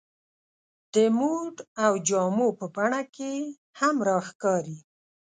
د موډ او جامو په بڼه کې هم راښکاري.